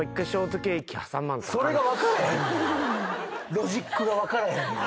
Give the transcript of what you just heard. ロジックが分からへんねん。